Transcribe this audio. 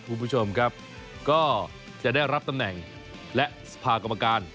คุณผู้ชมครับก็จะได้รับตำแหน่งและสภากรรมการ